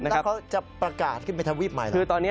แล้วเขาจะประกาศกินเป็นทวีปใหม่หรือนี้